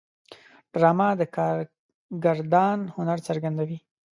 ډرامه د کارگردان هنر څرګندوي